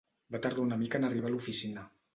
Va tardar una mica en arribar a l'oficina.